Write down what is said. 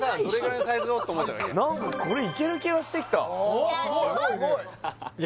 何かこれいける気がしてきた・